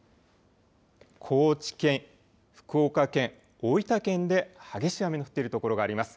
高知県、福岡県、大分県で、激しい雨が降っている所があります。